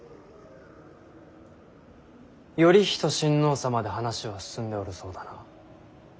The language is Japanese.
頼仁親王様で話は進んでおるそうだな。